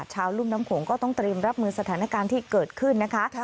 รุ่มน้ำโขงก็ต้องเตรียมรับมือสถานการณ์ที่เกิดขึ้นนะคะ